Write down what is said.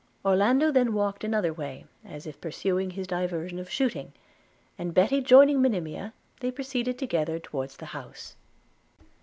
Orlando then walked another way, as if pursuing his diversion of shooting; and Betty joining Monimia, they proceeded together towards the house.